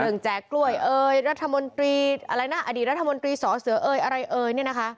เหลืองแจ๊กแกร่วยเอ๋ยอดีตรัฐมนตรีสอเสือเอ๋ยอะไรเอ๋ย